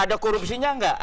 ada korupsinya enggak